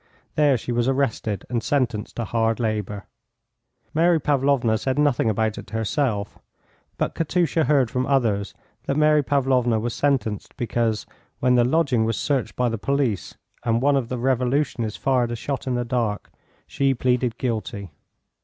There she was arrested and sentenced to hard labour. Mary Pavlovna said nothing about it herself, but Katusha heard from others that Mary Pavlovna was sentenced because, when the lodging was searched by the police and one of the revolutionists fired a shot in the dark, she pleaded guilty.